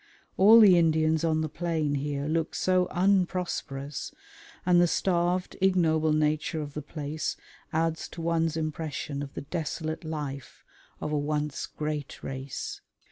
All the Indians on the plain here look so unprosperous, and the starved, ignoble nature of the place adds to one's impression of the desolate life of a once great race.